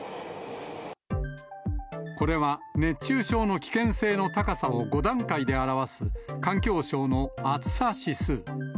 これは、熱中症の危険性の高さを５段階で表す、環境省の暑さ指数。